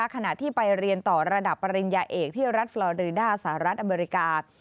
ขณะที่ไปเรียนต่อระดับปริญญาเอกที่รัฐฟลอริดาสหรัฐอเมริกา